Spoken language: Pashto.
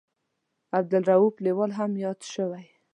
عبدالرووف لیوال هم یاد شوی.